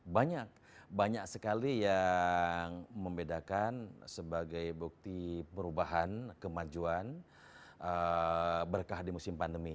banyak banyak sekali yang membedakan sebagai bukti perubahan kemajuan berkah di musim pandemi